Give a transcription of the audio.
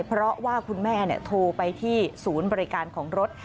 เพราะว่าคุณแม่โทรไปที่ศูนย์บริการของรถ